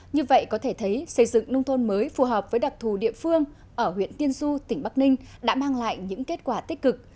như vậy có thể thấy xây dựng nông thôn mới phù hợp với đặc thù địa phương ở huyện tiên du tỉnh bắc ninh đã mang lại những kết quả tích cực